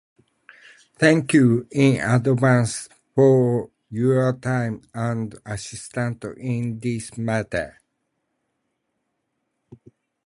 Thank you in advance for your time and assistance in this matter.